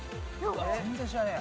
全然知らねえや。